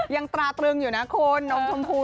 ยังตราตรึงอยู่นะคุณ